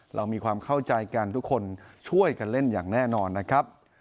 เรามีความเข้าใจกันทุกคนช่วยกันเล่นอย่างแน่นอนนะครับ